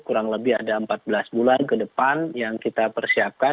kurang lebih ada empat belas bulan ke depan yang kita persiapkan